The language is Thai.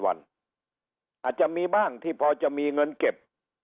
อาจจะมีบ้างที่พอจะมีเงินเก็บ